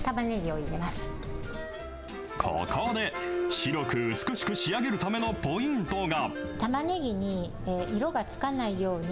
ここで、白く美しく仕上げるためのポイントが。